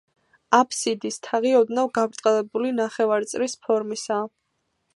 აფსიდის თაღი ოდნავ გაბრტყელებული ნახევარწრის ფორმისაა.